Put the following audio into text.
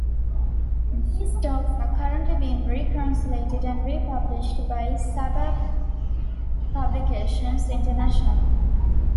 These talks are currently being re-translated and republished by Subud Publications International.